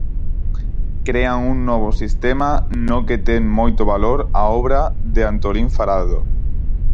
Crean un novo sistema no que ten moito valor a obra de Antolín Faraldo.